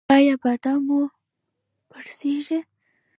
ایا بادام مو پړسیږي؟